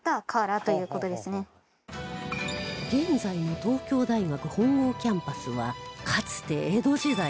現在の東京大学本郷キャンパスはかつて江戸時代